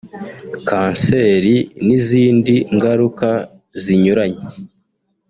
kanseri n’izindi ngaruka zinyuranye